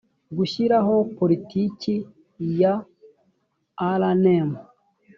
gushyiraho politiki ya rnmu